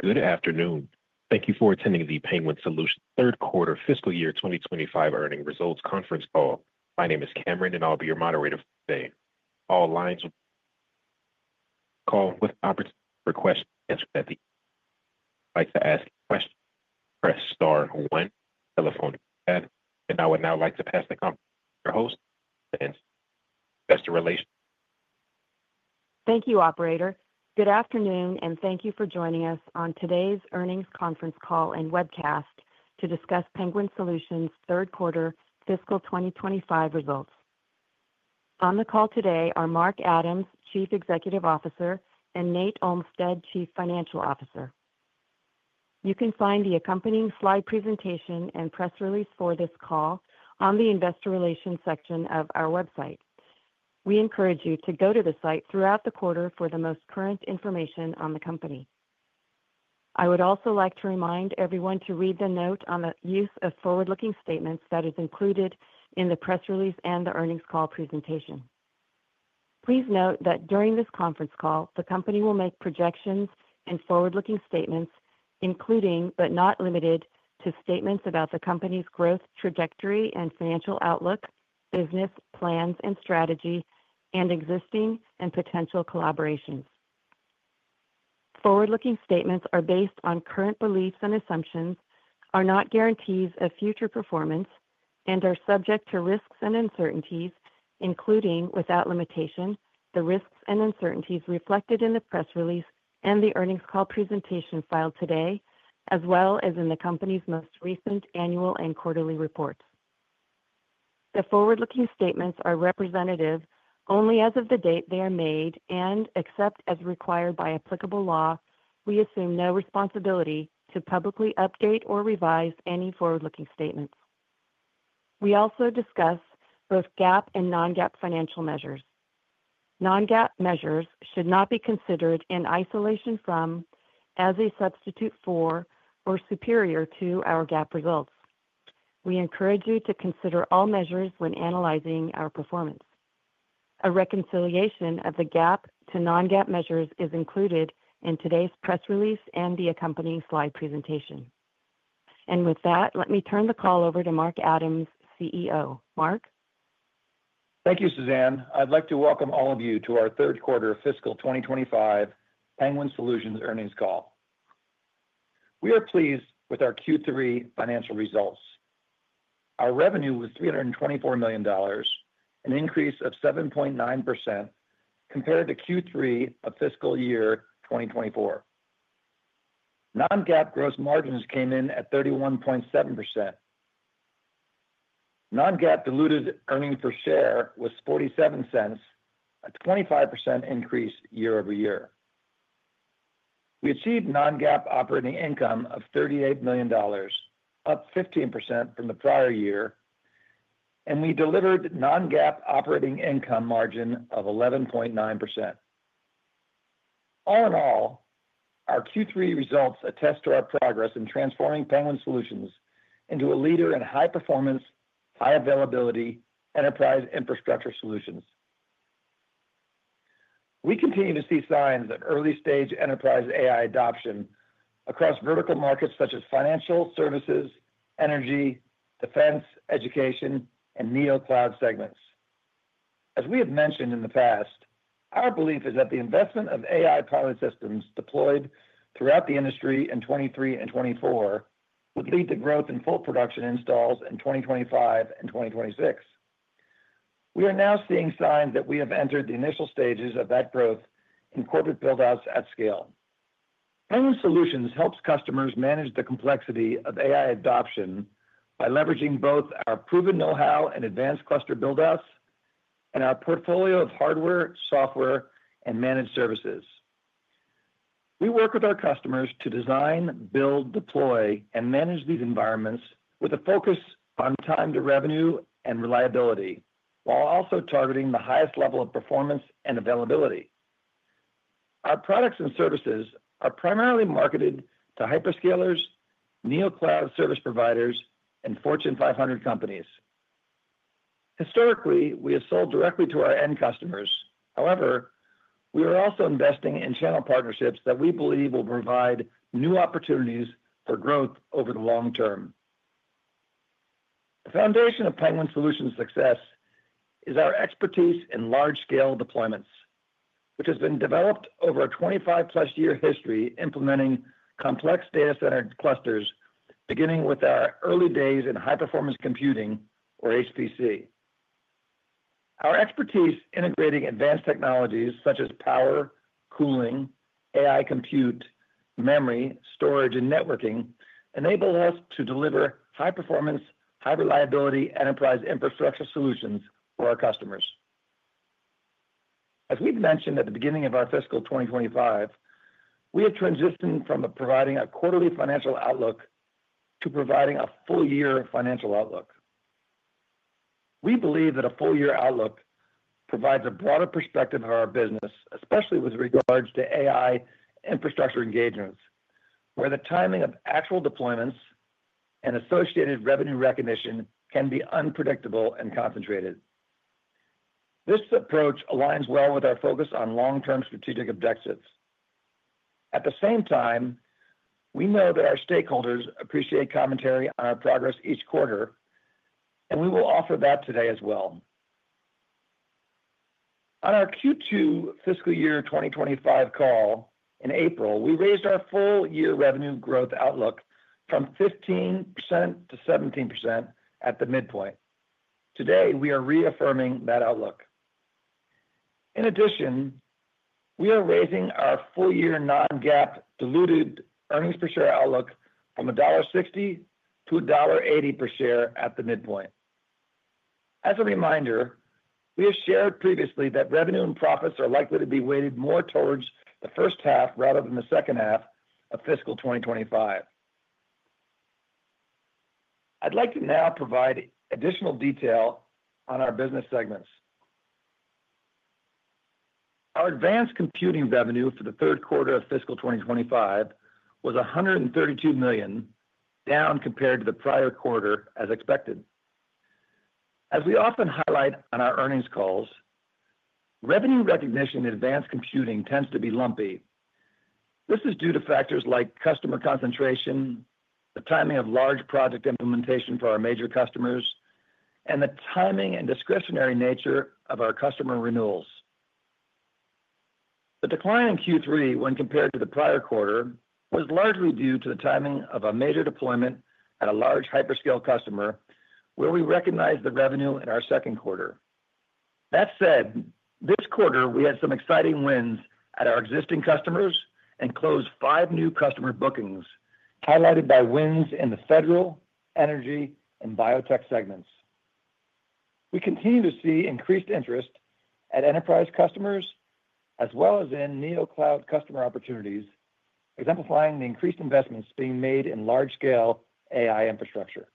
Good afternoon. Thank you for attending the Penguin Solutions third quarter fiscal year twenty twenty five earning results conference call. My name is Cameron, and I'll be your moderator for today. All lines will be recorded for questions. And I would now like to pass the conference to your host, Ms. Singer, Investor Relations. Thank you, operator. Good afternoon, and thank you for joining us on today's earnings conference call and webcast to discuss Penguin Solutions' third quarter fiscal twenty twenty five results. On the call today are Mark Adams, Chief Executive Officer and Nate Olmstead, Chief Financial Officer. You can find the accompanying slide presentation and press release for this call on the Investor Relations section of our website. We encourage you to go to the site throughout the quarter for the most current information on the company. I would also like to remind everyone to read the note on the use of forward looking statements that is included in the press release and the earnings call presentation. Please note that during this conference call, the company will make projections and forward looking statements, including but not limited to statements about the company's growth trajectory and financial outlook, business plans and strategy and existing and potential collaborations. Forward looking statements are based on current beliefs and assumptions, are not guarantees of future performance and are subject to risks and uncertainties, including without limitation, the risks and uncertainties reflected in the press release and the earnings call presentation filed today as well as in the company's most recent annual and quarterly reports. The forward looking statements are representative only as of the date they are made and except as required by applicable law, we assume no responsibility to publicly update or revise any forward looking statements. We also discuss both GAAP and non GAAP financial measures. Non GAAP measures should not be considered in isolation from, as a substitute for or superior to our GAAP results. We encourage you to consider all measures when analyzing our performance. A reconciliation of the GAAP to non GAAP measures is included in today's press release and the accompanying slide presentation. And with that, let me turn the call over to Mark Adams, CEO. Mark? Thank you, Suzanne. I'd like to welcome all of you to our third quarter fiscal twenty twenty five Penguin Solutions earnings call. We are pleased with our Q3 financial results. Our revenue was $324,000,000 an increase of 7.9% compared to Q3 of fiscal year twenty twenty four. Non GAAP gross margins came in at 31.7%. Non GAAP diluted earnings per share was $0.47 a 25 increase year over year. We achieved non GAAP operating income of $38,000,000 up 15% from the prior year and we delivered non GAAP operating income margin of 11.9%. All in all, our Q3 results attest to our progress in transforming Penguin Solutions into a leader in high performance, high availability enterprise infrastructure solutions. We continue to see signs of early stage enterprise AI adoption across vertical markets such as financial services, energy, defense, education and neo cloud segments. As we have mentioned in the past, our belief is that the investment of AI pilot systems deployed throughout the industry in 2023 and 2024 would lead to growth in full production installs in 2025 and 2026. We are now seeing signs that we have entered the initial stages of that growth in corporate build outs at scale. Premium solutions helps customers manage the complexity of AI adoption by leveraging both our proven know how and advanced cluster build outs and our portfolio of hardware, software and managed services. We work with our customers to design, build, deploy and manage these environments with a focus on time to revenue and reliability, while also targeting the highest level of performance and availability. Our products and services are primarily marketed to hyperscalers, neo cloud service providers and Fortune 500 companies. Historically, we have sold directly to our end customers. However, we are also investing in channel partnerships that we believe will provide new opportunities for growth over the long term. The foundation of Penguin solution success is our expertise in large scale deployments, which has been developed over a twenty five plus year history implementing complex data center clusters beginning with our early days in high performance computing or HPC. Our expertise integrating advanced technologies such as power, cooling, AI compute, memory, storage and networking enable us to deliver high performance, high reliability enterprise infrastructure solutions for our customers. As we've mentioned at the beginning of our fiscal twenty twenty five, we have transitioned from providing a quarterly financial outlook to providing a full year financial outlook. We believe that a full year outlook provides a broader perspective of our business, especially with regards to AI infrastructure engagements where the timing of actual deployments and associated revenue recognition can be unpredictable and concentrated. This approach aligns well with our focus on long term strategic objectives. At the same time, we know that our stakeholders appreciate commentary on our progress each quarter and we will offer that today as well. On our Q2 fiscal year twenty twenty five call in April, we raised our full year revenue growth outlook from 15% to 17% at the midpoint. Today, are reaffirming that outlook. In addition, we are raising our full year non GAAP diluted earnings per share outlook from $1.6 to $1.8 per share at the midpoint. As a reminder, we have shared previously that revenue and profits are likely to be weighted more towards the first half rather than the second half of fiscal twenty twenty five. I'd like to now provide additional detail on our business segments. Our advanced computing revenue for the third quarter of fiscal twenty twenty five was $132,000,000 down compared to the prior quarter as expected. As we often highlight on our earnings calls, revenue recognition in advanced computing tends to be lumpy. This is due to factors like customer concentration, the timing of large project implementation for our major customers and the timing and discretionary nature of our customer renewals. The decline in Q3 when compared to the prior quarter was largely due to the timing of a major deployment at a large hyperscale customer where we recognized the revenue in our second quarter. That said, this quarter we had some exciting wins at our existing customers and closed five new customer bookings highlighted by wins in the federal, energy and biotech segments. We continue to see increased interest at enterprise customers as well as in Neo Cloud customer opportunities, exemplifying the increased investments being made in large scale AI infrastructure.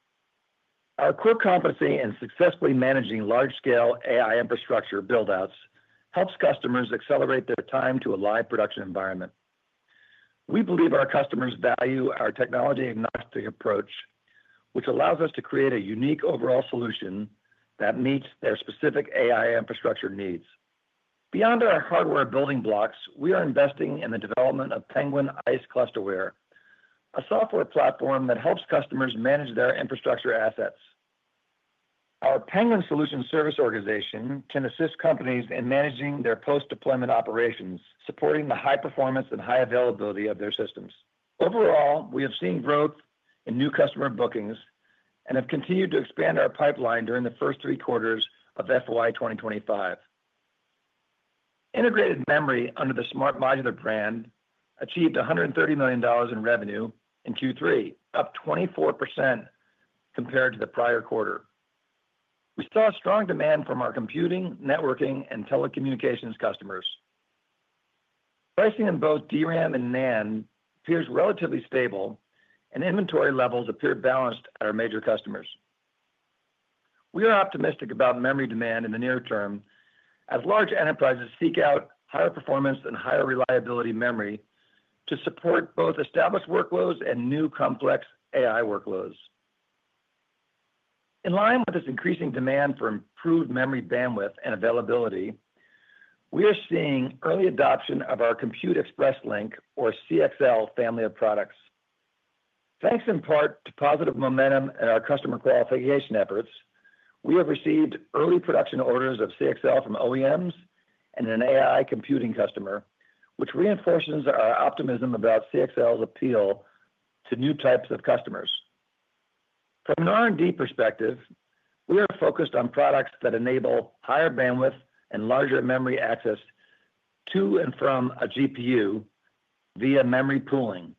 Our core competency and successfully managing large scale AI infrastructure build outs helps customers accelerate their time to a live production environment. We believe our customers value our technology agnostic approach, which allows us to create a unique overall solution that meets their specific AI infrastructure needs. Beyond our hardware building blocks, we are investing in the development of Penguin Ice Clusterware, a software platform that helps customers manage their infrastructure assets. Our Penguin solution service organization can assist companies in managing their post deployment operations supporting the high performance and high availability of their systems. Overall, we have seen growth in new customer bookings and have continued to expand our pipeline during the first three quarters of FY twenty twenty five. Integrated memory under the Smart Modular brand achieved $130,000,000 in revenue in Q3, up 24% compared to the prior quarter. We saw strong demand from our computing, networking and telecommunications customers. Pricing in both DRAM and NAND appears relatively stable and inventory levels appear balanced at our major customers. We are optimistic about memory demand in the near term as large enterprises seek out higher performance and higher reliability memory to support both established workloads and new complex AI workloads. In line with this increasing demand for improved memory bandwidth and availability, we are seeing early adoption of our Compute Express Link or CXL family of products. Thanks in part to positive momentum and our customer qualification efforts, we have received early production orders of CXL from OEMs and an AI computing customer, which reinforces our optimism about CXL's appeal to new types of customers. From an R and D perspective, we are focused on products that enable higher bandwidth and larger memory access to and from a GPU via memory pooling.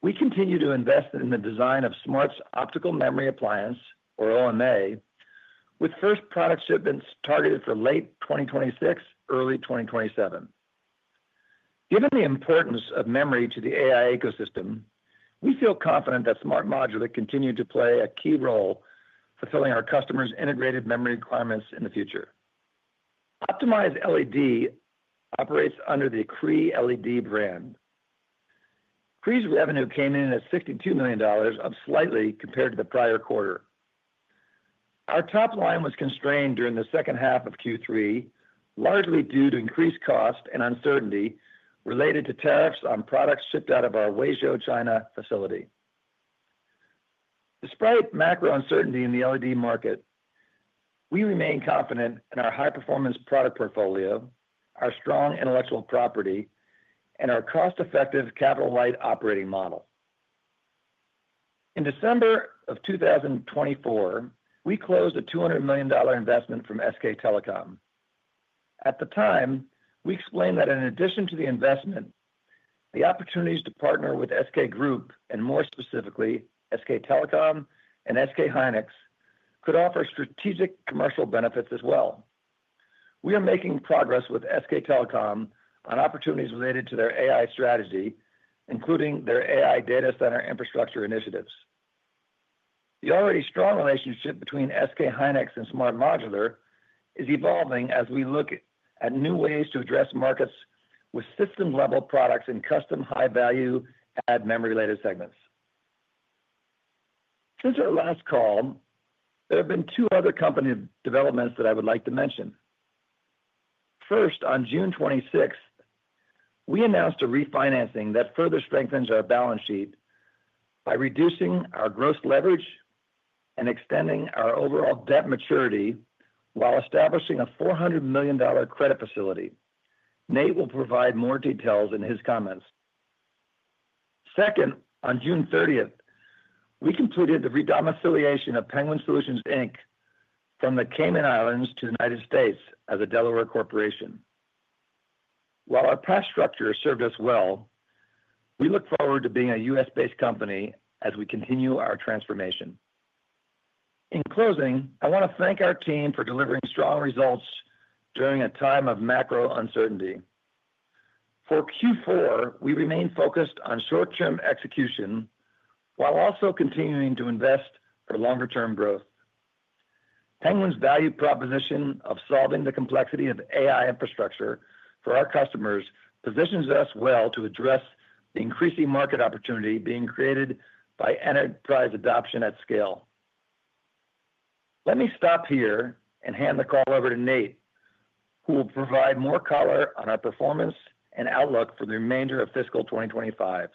We continue to invest in the design of Smart's optical memory appliance or OMA with first product shipments targeted for late twenty twenty six, early twenty twenty seven. Given the importance of memory to the AI ecosystem, we feel confident that Smart Modular continue to play a key role fulfilling our customers' integrated memory requirements in the future. Optimize LED operates under the Cree LED brand. Cree's revenue came in at $62,000,000 up slightly compared to the prior quarter. Our top line was constrained during the second half of Q3 largely due to increased cost and uncertainty related to tariffs on products shipped out of our Weizhou, China facility. Despite macro uncertainty in the LED market, we remain confident in our high performance product portfolio, our strong intellectual property and our cost effective capital light operating model. In December of twenty twenty four, we closed a $200,000,000 investment from SK Telecom. At the time, we explained that in addition to the investment, the opportunities to partner with SK Group and more specifically SK Telecom and SK Hynix could offer strategic commercial benefits as well. We are making progress with SK Telecom on opportunities related to their AI strategy including their AI data center infrastructure initiatives. The already strong relationship between SK Hynix and Smart Modular is evolving as we look at new ways to address markets with system level products in custom high value ad memory related segments. Since our last call, there have been two other company developments that I would like to mention. First on June 26, we announced a refinancing that further strengthens our balance sheet by reducing our gross leverage and extending our overall debt maturity while establishing a $400,000,000 credit facility. Nate will provide more details in his comments. Second, on June 30, we completed the re domiciliation of Penguin Solutions Inc. From The Cayman Islands to The United States as a Delaware Corporation. While our past structure served us well, we look forward to being a U. S.-based company as we continue our transformation. In closing, I want to thank our team for delivering strong results during a time of macro uncertainty. For Q4, we remain focused on short term execution while also continuing to invest for longer term growth. Penguin's value proposition of solving the complexity of AI infrastructure for our customers positions us well to address the increasing market opportunity being created by enterprise adoption at scale. Let me stop here and hand the call over to Nate, who will provide more color on our performance and outlook for the remainder of fiscal twenty twenty five.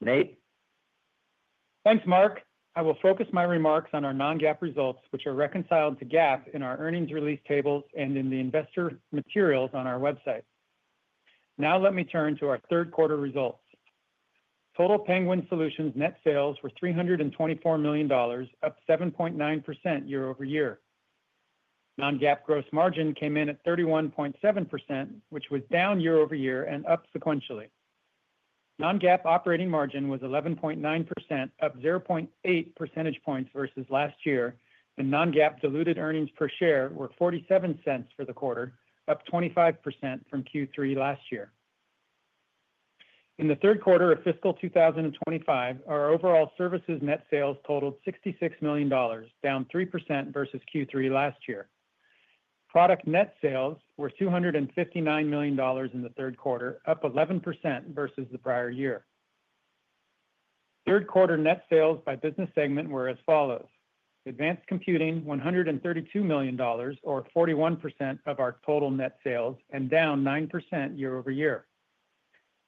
Nate? Thanks, Mark. I will focus my remarks on our non GAAP results, which are reconciled to GAAP in our earnings release tables and in the investor materials on our website. Now let me turn to our third quarter results. Total Penguin Solutions net sales were $324,000,000 up 7.9% year over year. Non GAAP gross margin came in at 31.7%, which was down year over year and up sequentially. Non GAAP operating margin was 11.9%, up 0.8 percentage points versus last year and non GAAP diluted earnings per share were $0.47 for the quarter, up 25% from Q3 last year. In the third quarter of fiscal twenty twenty five, our overall services net sales totaled $66,000,000 down 3% versus Q3 last year. Product net sales were $259,000,000 in the third quarter, up 11% versus the prior year. Third quarter net sales by business segment were as follows: Advanced Computing $132,000,000 or 41% of our total net sales and down 9% year over year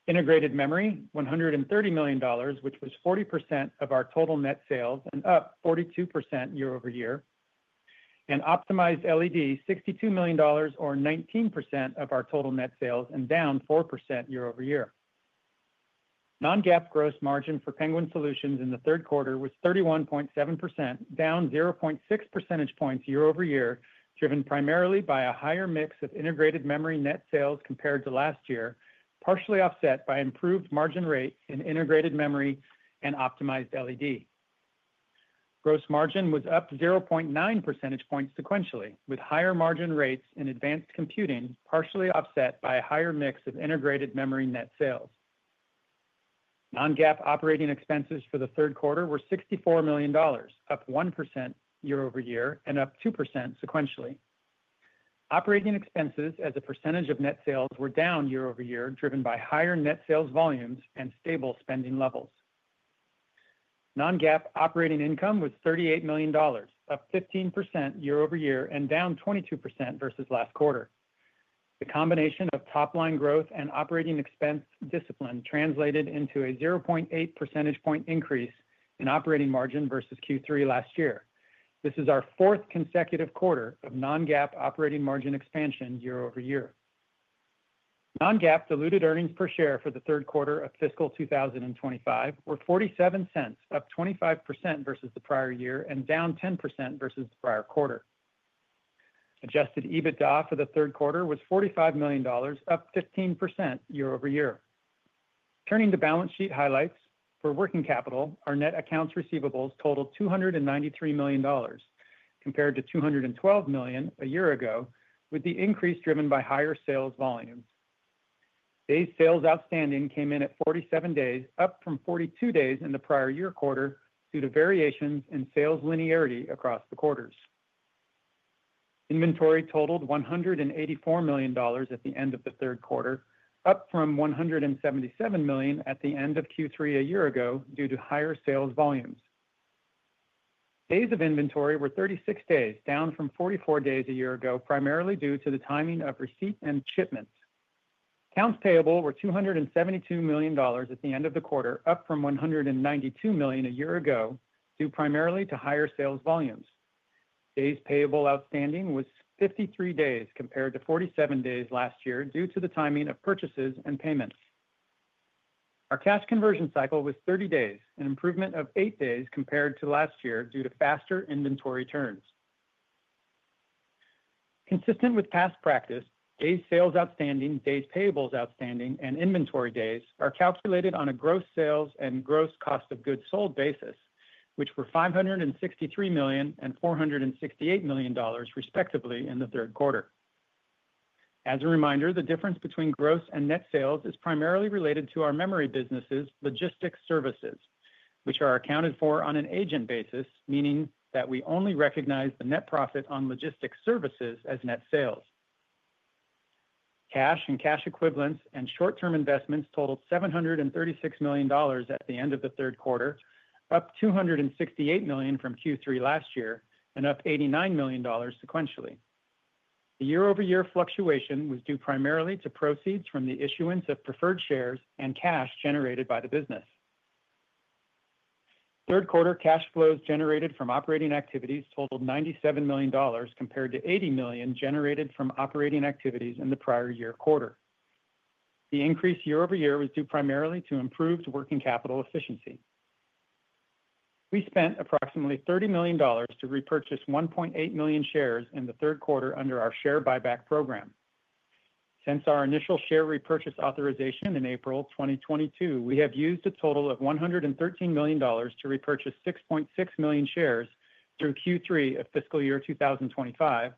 Integrated Memory $130,000,000 which was 40% of our total net sales and up 42% year over year and optimized LED $62,000,000 or 19% of our total net sales and down 4% year over year. Non GAAP gross margin for Penguin Solutions in the third quarter was 31.7%, down 0.6 percentage points year over year, driven primarily by a higher mix of Integrated Memory net sales compared to last year, partially offset by improved margin rate in Integrated Memory and Optimized LED. Gross margin was up 0.9 percentage points sequentially with higher margin rates in Advanced Computing partially offset by a higher mix of Integrated Memory net sales. Non GAAP operating expenses for the third quarter were $64,000,000 up 1% year over year and up 2% sequentially. Operating expenses as a percentage of net sales were down year over year driven by higher net sales volumes and stable spending levels. Non GAAP operating income was $38,000,000 up 15% year over year and down 22% versus last quarter. The combination of top line growth and operating expense discipline translated into a 0.8 percentage point increase in operating margin versus Q3 last year. This is our fourth consecutive quarter of non GAAP operating margin expansion year over year. Non GAAP diluted earnings per share for the third quarter of fiscal twenty twenty five were $0.47 up 25% versus the prior year and down 10% versus the prior quarter. Adjusted EBITDA for the third quarter was $45,000,000 up 15% year over year. Turning to balance sheet highlights. For working capital, our net accounts receivables totaled $293,000,000 compared to $212,000,000 a year ago with the increase driven by higher sales volumes. Days sales outstanding came in at forty seven days, up from forty two days in the prior year quarter due to variations in sales linearity across the quarters. Inventory totaled $184,000,000 at the end of the third quarter, up from $177,000,000 at the end of Q3 a year ago due to higher sales volumes. Days of inventory were 36, down from forty four days a year ago, primarily due to the timing of receipt and shipments. Accounts payable were $272,000,000 at the end of the quarter, up from $192,000,000 a year ago, due primarily to higher sales volumes. Days payable outstanding was 50 compared to forty seven days last year due to the timing of purchases and payments. Days Our cash conversion cycle was thirty days, an improvement of eight days compared to last year due to faster inventory turns. Consistent with past practice, days sales outstanding, days payables outstanding and inventory days are calculated on a gross sales and gross cost of goods sold basis, which were $563,000,000 and $468,000,000 respectively in the third quarter. As a reminder, the difference between gross and net sales is primarily related to our memory businesses, logistics services, which are accounted for on an agent basis, meaning that we only recognize the net profit on logistics services as net sales. Cash and cash equivalents and short term investments totaled $736,000,000 at the end of the third quarter, up $268,000,000 from Q3 last year and up $89,000,000 sequentially. The year over year fluctuation was due primarily to proceeds from the issuance of preferred shares and cash generated by the business. Third quarter cash flows generated from operating activities totaled $97,000,000 compared to $80,000,000 generated from operating activities in the prior year quarter. The increase year over year was due primarily to improved working capital efficiency. We spent approximately $30,000,000 to repurchase 1,800,000.0 shares in the third quarter under our share buyback program. Since our initial share repurchase authorization in April 2022, we have used a total of $113,000,000 to repurchase 6,600,000.0 shares through Q3 of fiscal year twenty twenty five,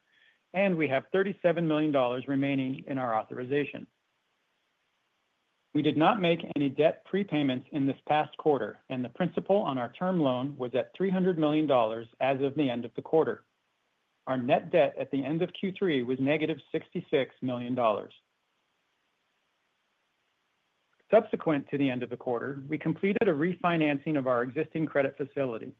and we have $37,000,000 remaining in our authorization. We did not make any debt prepayments in this past quarter, and the principal on our term loan was at $300,000,000 as of the end of the quarter. Our net debt at the end of Q3 was negative $66,000,000 Subsequent to the end of the quarter, we completed a refinancing of our existing credit facility.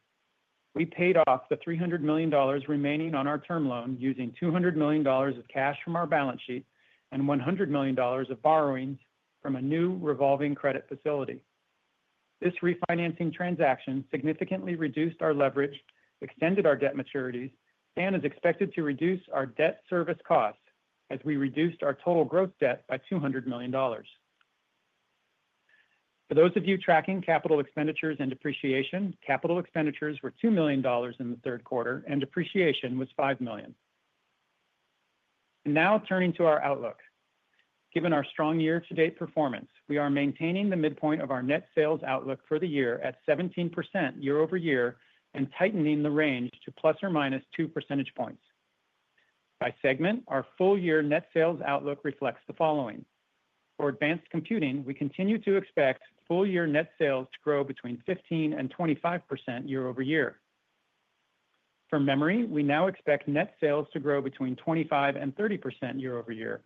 We paid off the $300,000,000 remaining on our term loan using $200,000,000 of cash from our balance sheet and $100,000,000 of borrowings from a new revolving credit facility. This refinancing transaction significantly reduced our leverage, extended our debt maturities and is expected to reduce our debt service costs as we reduced our total growth debt by $200,000,000 For those of you tracking capital expenditures and depreciation, capital expenditures were $2,000,000 in the third quarter and depreciation was $5,000,000 Now turning to our outlook. Given our strong year to date performance, we are maintaining the midpoint of our net sales outlook for the year at 17% year over year and tightening the range to plus or minus two percentage points. By segment, our full year net sales outlook reflects the following. For Advanced Computing, we continue to expect full year net sales to grow between 1525% year over year. From memory, we now expect net sales to grow between 2530% year over year.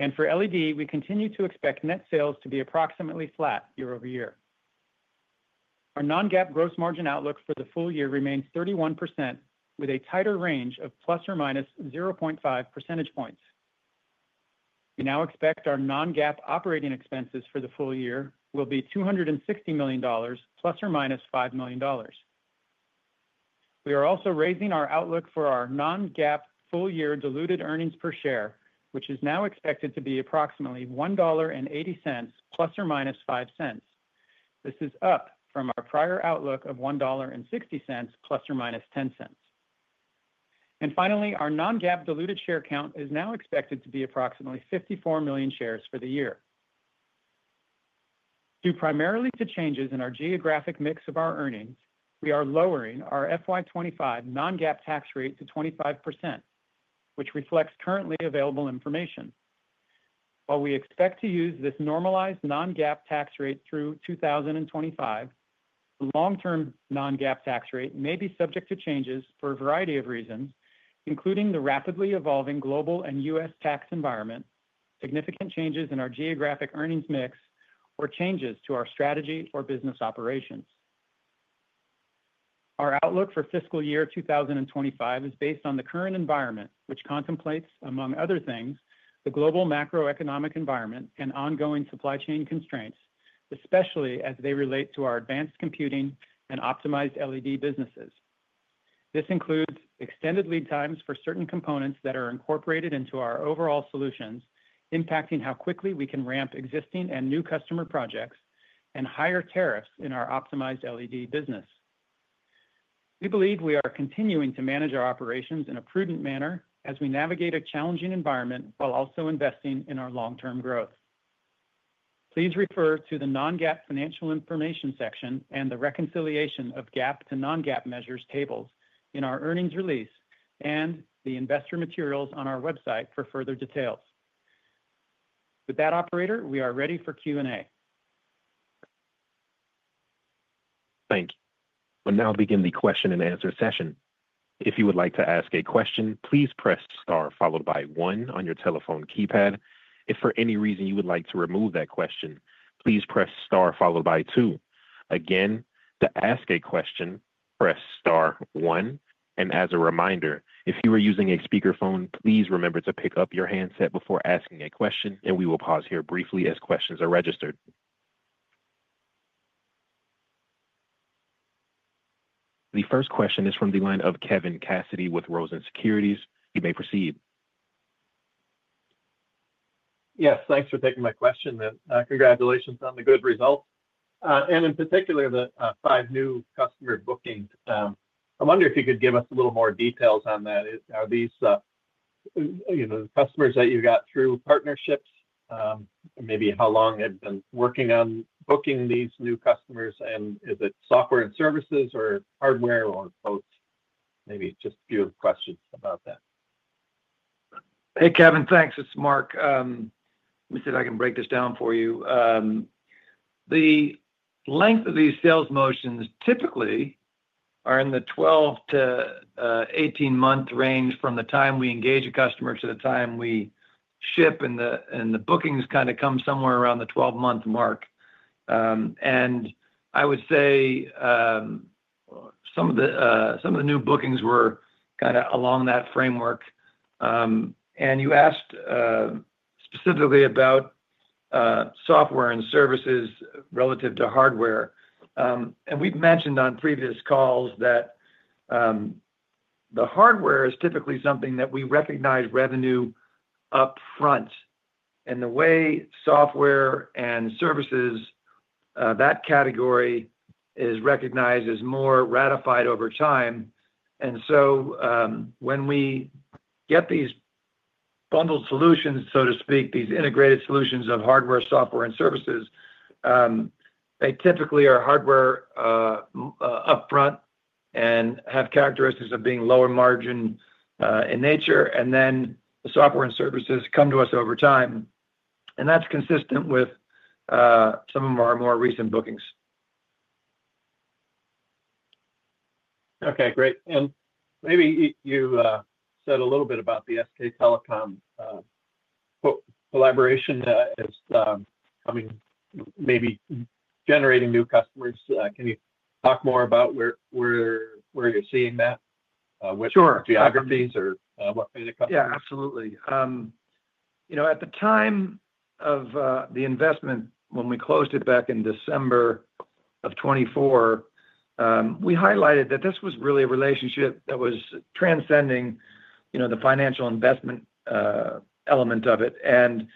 And for LED, we continue to expect net sales to be approximately flat year over year. Our non GAAP gross margin outlook for the full year remains 31% with a tighter range of plus or minus 0.5 percentage points. We now expect our non GAAP operating expenses for the full year will be $260,000,000 plus or minus $5,000,000 We are also raising our outlook for our non GAAP full year diluted earnings per share, which is now expected to be approximately $1.8 plus or minus $05 This is up from our prior outlook of $1.6 plus or minus $0.10 And finally, our non GAAP diluted share count is now expected to be approximately 54,000,000 shares for the year. Due primarily to changes in our geographic mix of our earnings, we are lowering our FY 2025 non GAAP tax rate to 25%, which reflects currently available information. While we expect to use this normalized non GAAP tax rate through 2025, the long term non GAAP tax rate may be subject to changes for a variety of reasons, including the rapidly evolving global and U. S. Tax environment, significant changes in our geographic earnings mix or changes to our strategy or business operations. Our outlook for fiscal year twenty twenty five is based on the current environment, which contemplates, among other things, the global macroeconomic environment and ongoing supply chain constraints, especially as they relate to our advanced computing and optimized LED businesses. This includes extended lead times for certain components that are incorporated into our overall solutions, impacting how quickly we can ramp existing and new customer projects and higher tariffs in our optimized LED business. We believe we are continuing to manage our operations in a prudent manner as we navigate a challenging environment while also investing in our long term growth. Please refer to the non GAAP financial information section and the reconciliation of GAAP to non GAAP measures tables in our earnings release and the investor materials on our website for further details. With that operator, we are ready for Q and A. Thank you. We'll now begin the question and answer session. If you would like to ask a question, please press star followed by one on your telephone keypad. If for any reason you would like to remove that question, please press followed by 2. Again, to ask a question, The first question is from the line of Kevin Cassidy with Rosen Securities. You may proceed. Yes. Thanks for taking my question. Congratulations on the good results. And in particular, the five new customer bookings. I wonder if you could give us a little more details on that. Are these customers that you got through partnerships? Maybe how long have been working on booking these new customers? And is it software and services or hardware or both? Maybe just a few questions about that. Kevin. Thanks. It's Mark. Let me see if I can break this down for you. The length of these sales motions typically are in the twelve to eighteen month range from the time we engage a customer to the time we ship and the bookings kind of come somewhere around the twelve month mark. And I would say some of the new bookings were kind of along that framework. And you asked specifically about software and services relative to hardware. And we've mentioned on previous calls that the hardware is typically something that we recognize revenue upfront. And the way software and services, that category is recognized as more ratified over time. And so, when we get these bundled solutions, so to speak, these integrated solutions of hardware, software and services, they typically are hardware upfront and have characteristics of being lower margin in nature. And then the software and services come to us over time. And that's consistent with some of our more recent bookings. Okay, great. And maybe you said a little bit about the SK Telecom collaboration as I mean, maybe generating new customers. Can you talk more about where where where you're seeing that? What geographies or what may be company? Yes, absolutely. At the time of the investment, when we closed it back in December of twenty twenty four, we highlighted that this was really a relationship that was transcending the financial investment element of it. And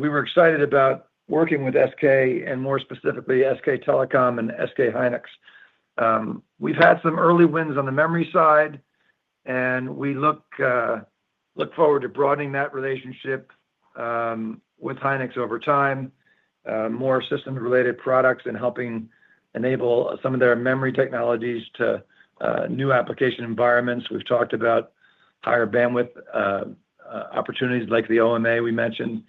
we were excited about working with SK and more specifically SK Telecom and SK Hynix. We've had some early wins on the memory side and we look forward to broadening that relationship with Hynix over time, more system related products and helping enable some of their memory technologies to new application environments. We've talked about higher bandwidth opportunities like the OMA we mentioned.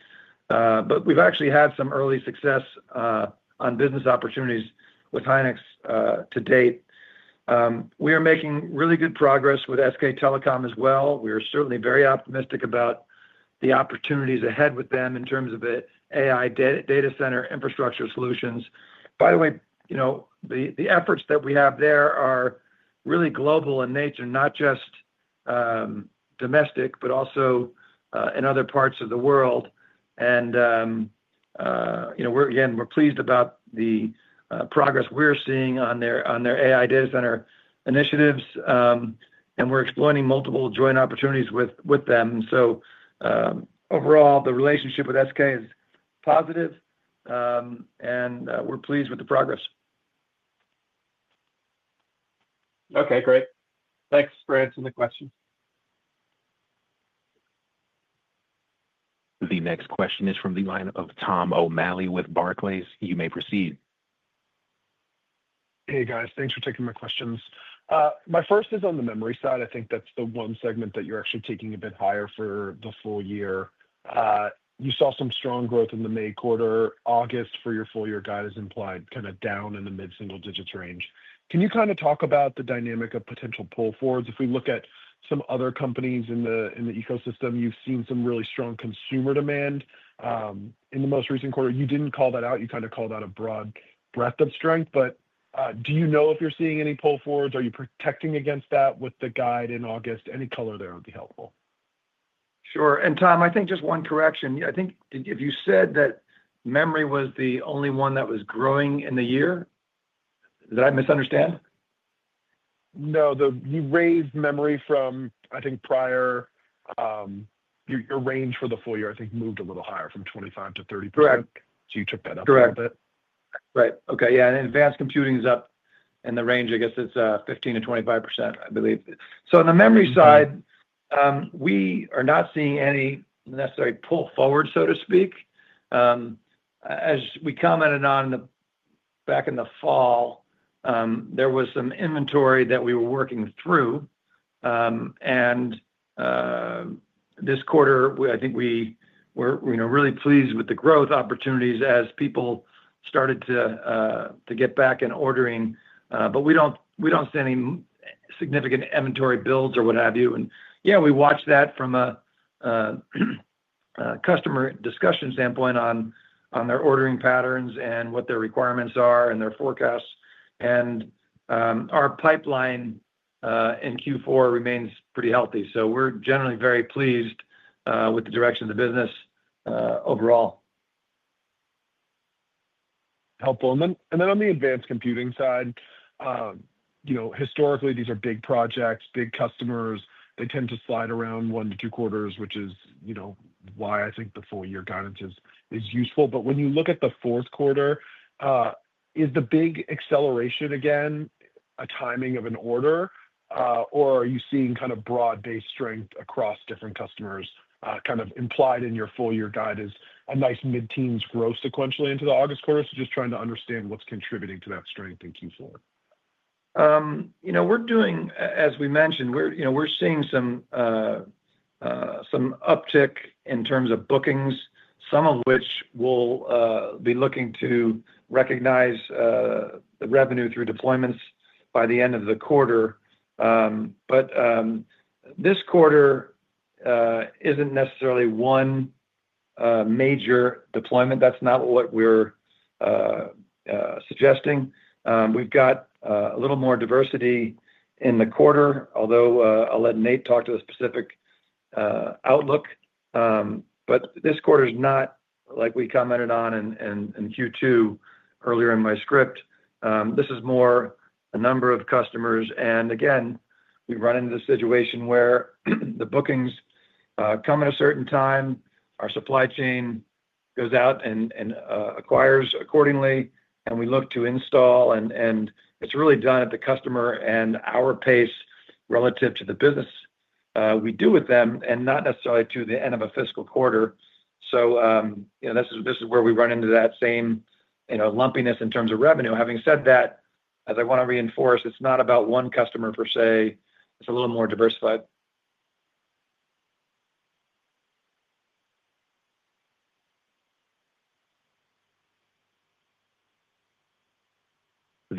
But we've actually had some early success on business opportunities with Hynix to date. We are making really good progress with SK Telecom as well. We are certainly very optimistic about the opportunities ahead with them in terms of AI data center infrastructure solutions. By the way, the efforts that we have there are really global in nature, not just domestic, but also in other parts of the world. And we're again, we're pleased about the progress we're seeing on their AI data center initiatives and we're exploring multiple joint opportunities with them. So overall, the relationship with SK is positive, and we're pleased with the progress. Okay, great. Thanks for answering the question. The next question is from the line of Tom O'Malley with Barclays. You may proceed. Hey guys, thanks for taking my questions. My first is on the memory side. I think that's the one segment that you're actually taking a bit higher for the full year. You saw some strong growth in the May, August for your full year guide is implied kind of down in the mid single digits range. Can you kind of talk about the dynamic of potential pull forwards? If we look at some other companies in ecosystem, you've seen some really strong consumer demand. In the most recent quarter, you didn't call that out, you kind of called out a broad breadth of strength, but do you know if you're seeing any pull forwards? Are you protecting against that with the guide in August? Any color there would be helpful. Sure. And Tom, I think just one correction. I think if you said that memory was the only one that was growing in the year, did I misunderstand? No, you raised memory from, I think prior range for the full year, I think, moved a little higher from 25% to 30%. So you took that up a Right. Little Okay. Yeah. And advanced computing is up in the range, I guess, it's 15% to 25%, I believe. So on the memory side, we are not seeing any necessary pull forward, so to speak. As we commented on back in the fall, there was some inventory that we were working through. And this quarter, I think we were really pleased with the growth opportunities as people started to get back in ordering. But we don't see any significant inventory builds or what have you. And yes, we watch that from a customer discussion standpoint on their ordering patterns and what their requirements are and their forecasts. And our pipeline in Q4 remains pretty healthy. We're generally very pleased with the direction of the business overall. Helpful. And then on the advanced computing side, historically, these are big projects, big customers. They tend to slide around one to two quarters, which is why I think the full year guidance is useful. But when you look at the fourth quarter, is the big acceleration again a timing of an order? Or are you seeing kind of broad based strength across different customers kind of implied in your full year guidance a nice mid teens growth sequentially into the August? So just trying to understand what's contributing to that strength in Q4? We're doing as we mentioned, we're seeing some uptick in terms of bookings, some of which will be looking to recognize the revenue through deployments by the end of the quarter. But this quarter isn't necessarily one major deployment. That's not what we're suggesting. We've got a little more diversity in the quarter, although I'll let Nate talk to the specific outlook. But this quarter is not like we commented on in Q2 earlier in my script. This is more a number of customers. And again, we run into the situation where the bookings come at a certain time, our supply chain goes out and acquires accordingly and we look to install and it's really done at the customer and our pace relative to the business we do with them and not necessarily to the end of a fiscal quarter. So this is where we run into that same lumpiness in terms of revenue. Having said that, as I want to reinforce, it's not about one customer per se, it's a little more diversified.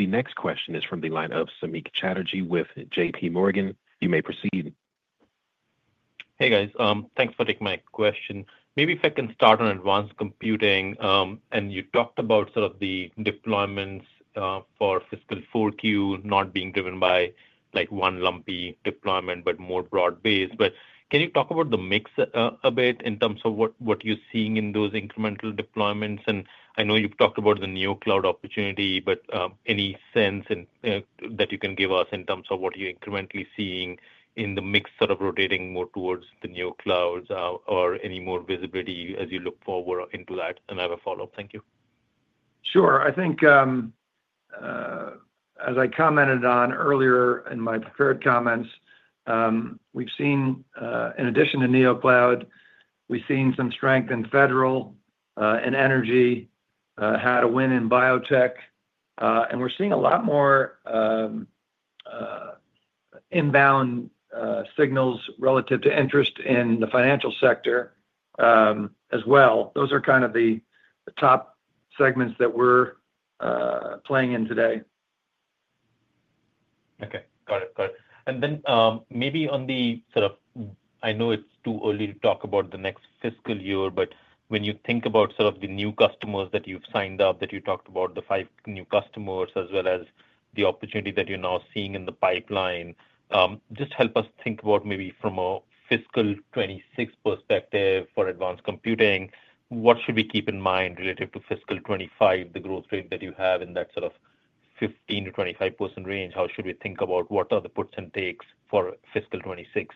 The next question is from the line of Samik Chatterjee with JPMorgan. You may proceed. Hey guys. Thanks for taking my question. Maybe if I can start on advanced computing and you talked about sort of the deployments for fiscal 4Q not being driven by like one lumpy deployment, but more broad based. But can you talk about the mix a bit in terms of what you're seeing in those incremental deployments? And I know you've talked about the new cloud opportunity, but any sense that you can give us in terms of what you're incrementally seeing in the mix sort of rotating more towards the neo clouds or any more visibility as you look forward into that? And I have a follow-up. Thank you. Sure. I think, as I commented on earlier in my prepared comments, we've seen in addition to NeoCloud, we've seen some strength in federal and energy, had a win in biotech, and we're seeing a lot more inbound signals relative to interest in the financial sector, as well. Those are kind of the top segments that we're playing in today. Okay. Got it. Got it. And then maybe on the sort of I know it's too early to talk about the next fiscal year, but when you think about sort of the new customers that you've signed up that you talked about the five new customers as well as the opportunity that you're now seeing in the pipeline. Just help us think about maybe from a fiscal twenty twenty six perspective for advanced computing, what should we keep in mind relative to fiscal twenty twenty five, the growth rate that you have in that sort of 15% to 25% range, how should we think about what are the puts and takes for fiscal twenty twenty six?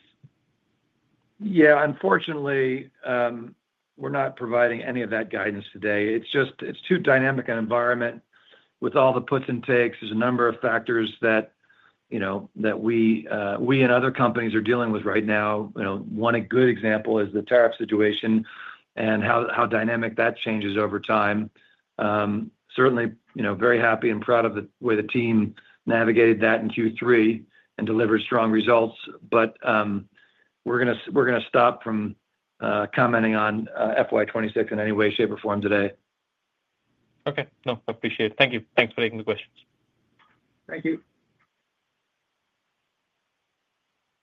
Yes. Unfortunately, we're not providing any of that guidance today. It's just it's too dynamic an environment with all the puts and takes. There's a number of factors that we and other companies are dealing with right now. One good example is the tariff situation and how dynamic that changes over time. Certainly, very happy and proud of the way the team navigated that in Q3 and delivered strong results. But we're going to stop from commenting on FY 2026 in any way shape or form today. Okay. No, appreciate it. Thank you. Thanks for taking the questions. Thank you.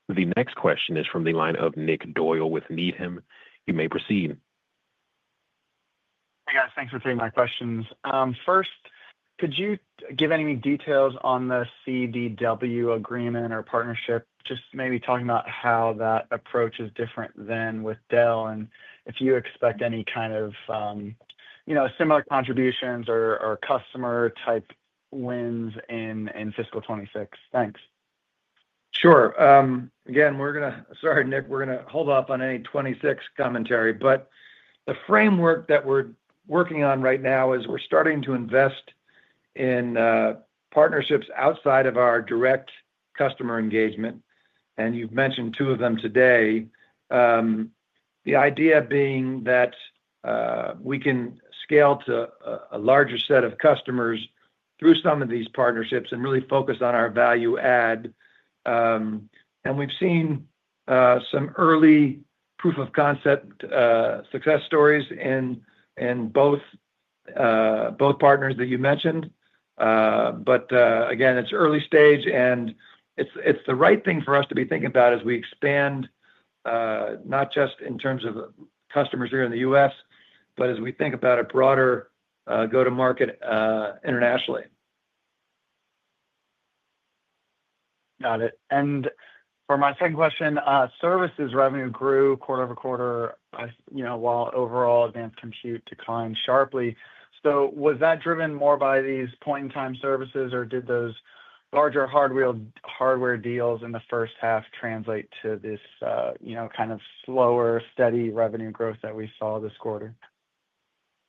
The next question is from the line of Nick Doyle with Needham. You may proceed. Hey guys, thanks for taking my questions. First, could you give any details on the CDW agreement or partnership? Just maybe talking about how that approach is different than with Dell and if you expect any kind of similar contributions or customer type wins in fiscal twenty twenty six? Thanks. Sure. Again, we're going to sorry, Nick, we're going to hold up on any 2026 commentary. But the framework that we're working on right now is we're starting to invest in partnerships outside of our direct customer engagement. And you've mentioned two of them today. The idea being that we can scale to a larger set of customers through some of these partnerships and really focus on our value add. And we've seen some early proof of concept success stories in both partners that you mentioned. But again, it's early stage and it's the right thing for us to be thinking about as we expand not just in terms of customers here in The U. S, but as we think about a broader go to market internationally. Got it. And for my second question, services revenue grew quarter over quarter while overall advanced compute declined sharply. So was that driven more by these point in time services? Or did those larger hardware deals in the first half translate to this kind of slower steady revenue growth that we saw this quarter?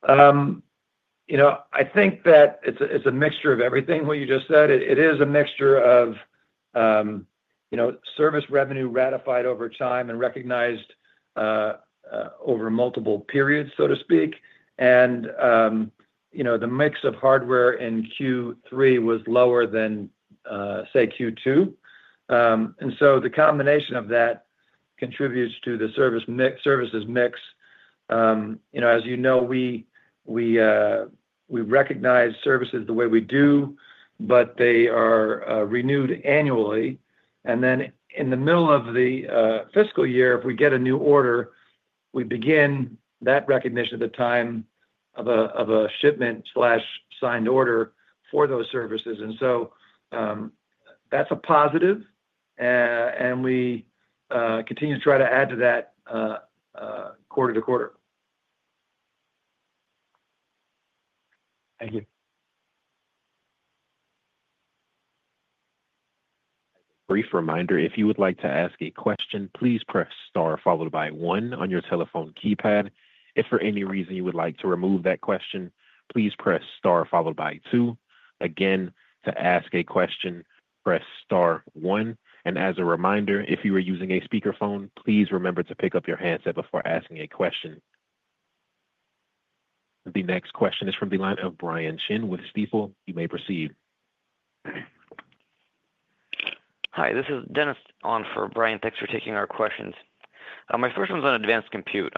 I think that it's a mixture of everything what you just said. It is a mixture of service revenue ratified over time and recognized over multiple periods so to speak. And the mix of hardware in Q3 was lower than, say, Q2. And so the combination of that contributes to the services mix. As you know, we recognize services the way we do, but they are renewed annually. And then in the middle of the fiscal year, if we get a new order, we begin that recognition at the time of a shipmentsigned order for those services. And so, that's a positive and we continue to try to add to that quarter to quarter. Thank The next question is from the line of Brian Chin with Stifel. You may proceed. Hi, this is Dennis on for Brian. Thanks for taking our questions. My first one is on advanced compute.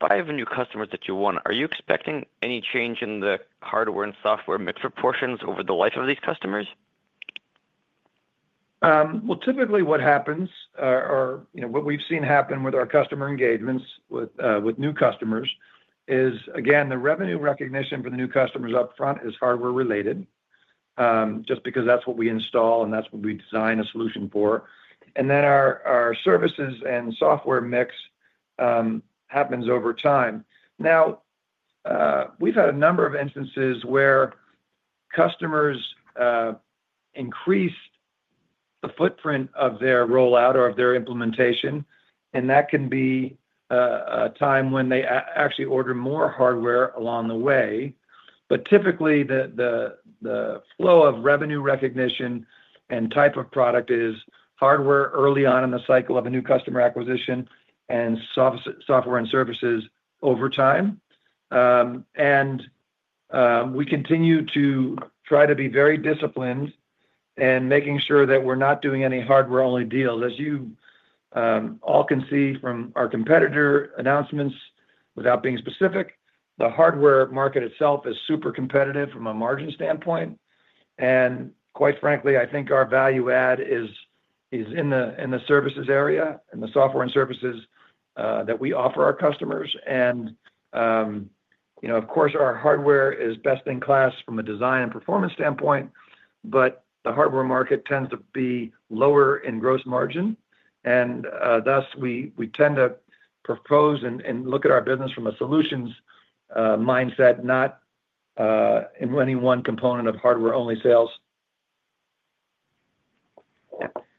So for the five new customers that you won, are you expecting any change in the hardware and software mix proportions over the life of these customers? Well, typically what happens or what we've seen happen with our customer engagements with new customers is, again, the revenue recognition for the new customers upfront is hardware related, just because that's what we install and that's what we design a solution for. And then our services and software mix happens over time. Now, we've had a number of instances where customers increased the footprint of their rollout or of their implementation and that can be a time when they actually order more hardware along the way. But typically, flow of revenue recognition and type of product is hardware early on in the cycle of a new customer acquisition and software and services over time. And we continue to try to be very disciplined and making sure that we're not doing any hardware only deals. As you all can see from our competitor announcements without being specific, the hardware market itself is super competitive from a margin standpoint. And quite frankly, think our value add is in the services area, in the software and services that we offer our customers. And of course, our hardware is best in class from a design and performance standpoint, but the hardware market tends to be lower in gross margin. And thus, we tend to propose and look at our business from a solutions mindset, not in any one component of hardware only sales.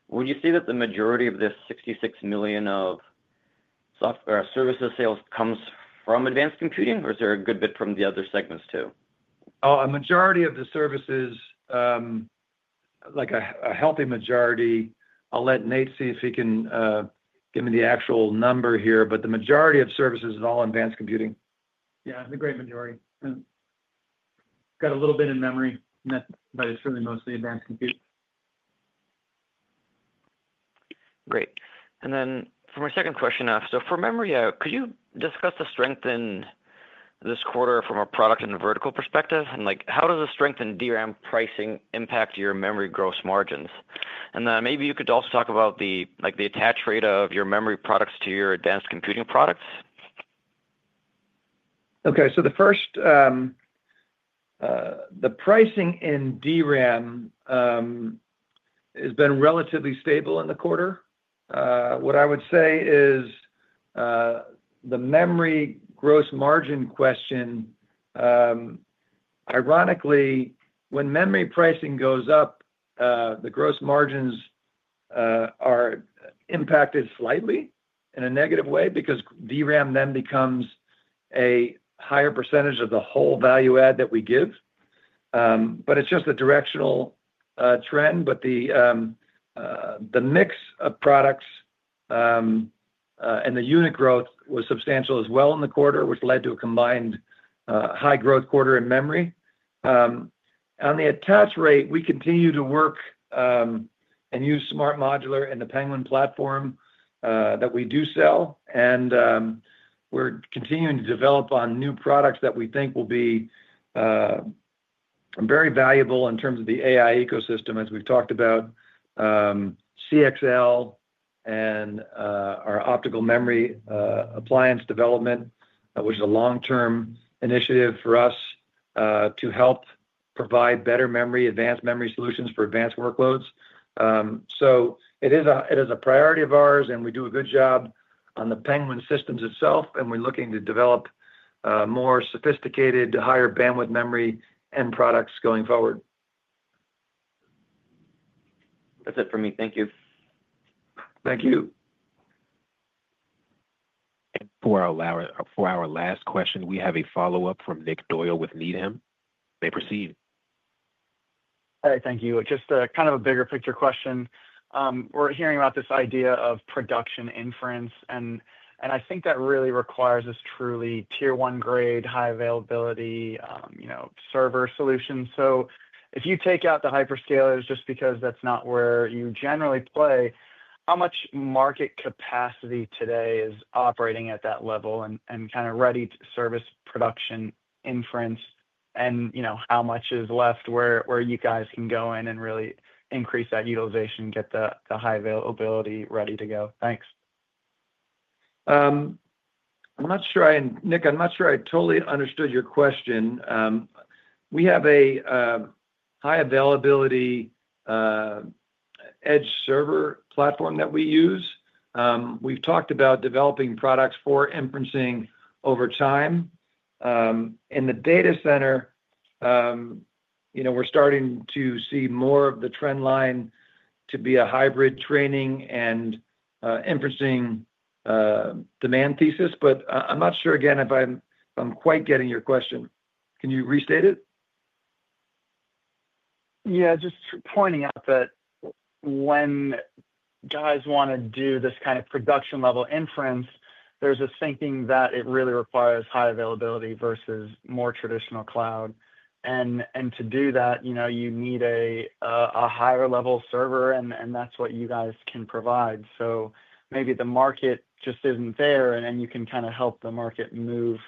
Would you say that the majority of this $66,000,000 of software services sales comes from advanced computing? Or is there a good bit from the other segments too? A majority of the services, like a healthy majority. I'll let Nate see if he can give me the actual number here, but the majority of services is all advanced computing. Yeah. The great majority. Got a little bit in memory, but it's really mostly advanced compute. Great. And then for my second question, so for memory, could you discuss the strength in this quarter from a product and a vertical perspective? And like how does the strength in DRAM pricing impact your memory gross margins? And then maybe you could also talk about the attach rate of your memory products to your advanced computing products? Okay. So the first, the pricing in DRAM has been relatively stable in the quarter. What I would say is the memory gross margin question, ironically, when memory pricing goes up, the gross margins are impacted slightly in a negative way because DRAM then becomes a higher percentage of the whole value add that we give. But it's just a directional trend, but the mix of products and the unit growth was substantial as well in the quarter, which led to a combined high growth quarter in memory. On the attach rate, we continue to work and use Smart Modular and the Penguin platform that we do sell. And we're continuing to develop on new products that we think will be very valuable in terms of the AI ecosystem as we've talked about CXL and our optical memory appliance development, which is a long term initiative for us to help provide better memory, advanced memory solutions for advanced workloads. So it priority is of ours and we do a good job on the Penguin systems itself and we're looking to develop more sophisticated higher bandwidth memory and products going forward. That's it for me. Thank you. Thank you. Last For question, we have a follow-up from Nick Doyle with Needham. You may proceed. Hi. Thank you. Just kind of a bigger picture question. We're hearing about this idea of production inference, and and I think that really requires us truly tier one grade high availability, you know, server solutions. So if you take out the hyperscalers just because that's not where you generally play, how much market capacity today is operating at that level and and kinda ready to service production inference? And how much is left where you guys can go in and really increase that utilization, get the high availability ready to go? Thanks. Not sure I Nick, I'm not sure I totally understood your question. We have a high availability edge server platform that we use. We've talked about developing products for inferencing over time. In the data center, we're starting to see more of the trend line to be a hybrid training and inferencing demand thesis. But I'm not sure again if I'm quite getting your question. Can you restate it? Yeah. Just pointing out that when guys want to do this kind of production level inference, there's this thinking that it really requires high availability versus more traditional cloud. And and to do that, you know, you need a a higher level server, and and that's what you guys can provide. So maybe the market just isn't there, and then you can kinda help the market move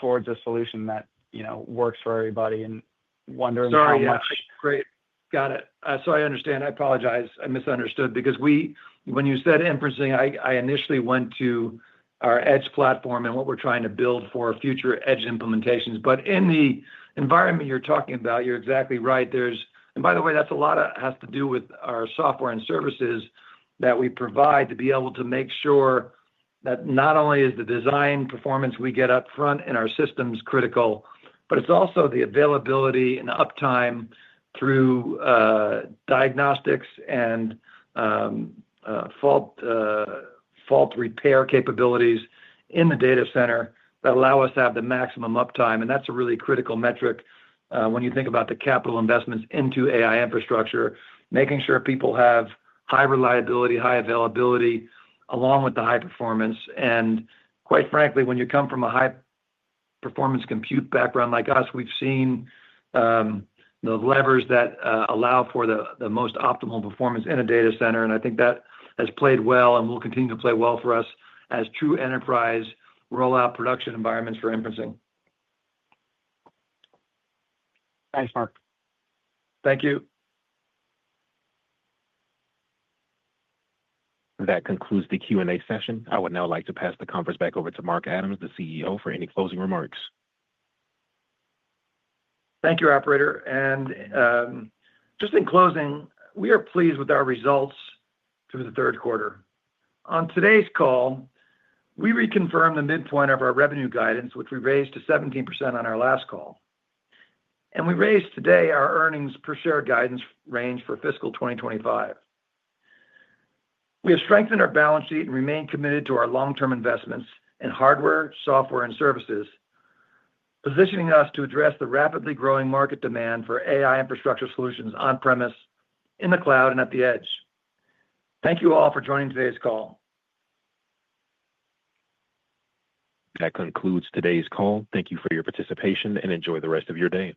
towards a solution that, you know, works for everybody and wonder Great. How much Got it. So I understand. I apologize. I misunderstood because we when you said inferencing, I initially went to our Edge platform and what we're trying to build for future Edge implementations. But in the environment you're talking about, you're exactly right. There's and by the way, that's a lot that has to do with our software and services that we provide to be able to make sure that not only is the design performance we get upfront in our systems critical, but it's also the availability and uptime through diagnostics and fault repair capabilities in the data center that allow us to have the maximum uptime. And that's a really critical metric when you think about the capital investments into AI infrastructure, making sure people have high reliability, high availability along with the high performance. And quite frankly, when you come from a high performance compute background like us, we've seen the levers that allow for the most optimal performance in a data center. And I think that has played well and will continue to play well for us as true enterprise rollout production environments for inferencing. Thanks, Mark. Thank you. That concludes the Q and A session. I would now like to pass the conference back over to Mark Adams, the CEO for any closing remarks. Thank you, operator. And just in closing, we are pleased with our results through the third quarter. On today's call, we reconfirmed the midpoint of our revenue guidance, which we raised to 17% on our last call. And we raised today our earnings per share guidance range for fiscal twenty twenty five. We have strengthened our balance sheet and remain committed to our long term investments in hardware, software and services, positioning us to address the rapidly growing market demand for AI infrastructure solutions on premise, in the cloud and at the edge. Thank you all for joining today's call. That concludes today's call. Thank you for your participation and enjoy the rest of your day.